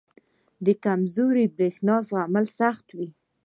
• د کمزوري برېښنا زغم سخت وي.